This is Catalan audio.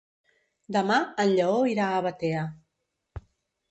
Demà en Lleó irà a Batea.